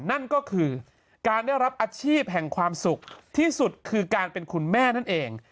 นั่นก็คือการได้รับอาชีพแห่งความสุขที่สุดคือการเป็นคุณแม่นั่นเอง